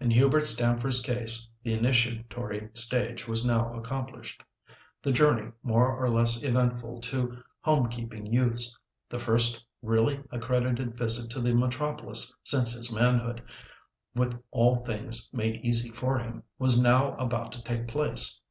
In Hubert Stamford's case the initiatory stage was now accomplished. The journey, more or less eventful to home keeping youths—the first really accredited visit to the metropolis since his manhood, with all things made easy for him, was now about to take place.